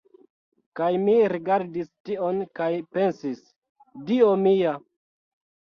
Kaj mi rigardis tion kaj pensis, "Dio mia!"